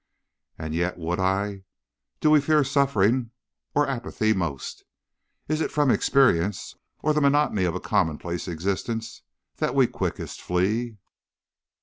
"And yet would I? Do we fear suffering or apathy most? Is it from experience or the monotony of a commonplace existence that we quickest flee?